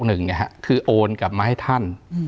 เพราะ๒๔๖๐๒๖๑คือโอนกลับมาให้ท่าน